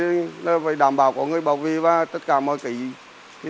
nó phải đảm bảo có người bảo vệ và tất cả mọi cái